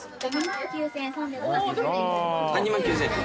２万９，０００円。